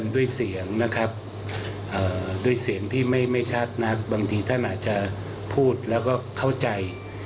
ด้วยเสียงที่ไม่ชัดนักบางทีท่านอาจจะพูดแล้วก็เข้าใจ